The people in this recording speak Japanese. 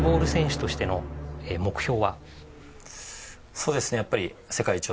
そうですねやっぱり。